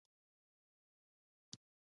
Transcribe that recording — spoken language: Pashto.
د هندواڼې پوستکی د څه لپاره وکاروم؟